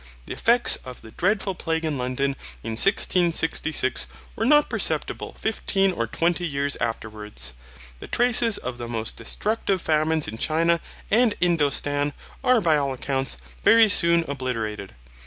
The effects of the dreadful plague in London in 1666 were not perceptible fifteen or twenty years afterwards. The traces of the most destructive famines in China and Indostan are by all accounts very soon obliterated.